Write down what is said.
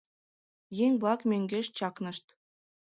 Еҥ-влак мӧҥгеш чакнышт.